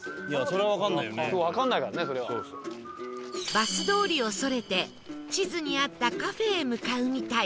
バス通りをそれて地図にあったカフェへ向かうみたい